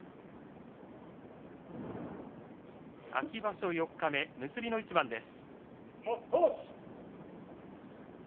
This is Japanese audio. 秋場所四日目結びの一番です。